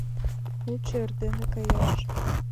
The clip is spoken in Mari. Лучо эрдене каяш.